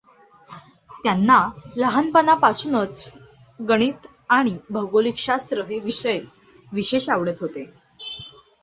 त्याना लहानपणापासुनच गणित आणि भौतिकशास्त्र हे विषय विशेष आवडत होते.